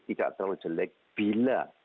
tidak terlalu jelek bila